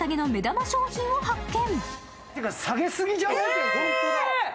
下げ過ぎじゃない？